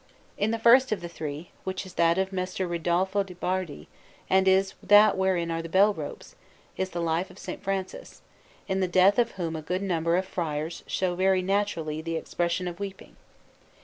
In the first of the three, which is that of Messer Ridolfo de' Bardi, and is that wherein are the bell ropes, is the life of S. Francis, in the death of whom a good number of friars show very naturally the expression of weeping.